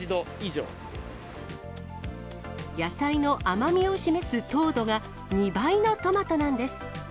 野菜の甘みを示す糖度が、２倍のトマトなんです。